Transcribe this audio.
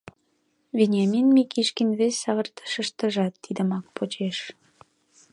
Вениамин Микишкин вес савыртышыштыжат тидымак почеш: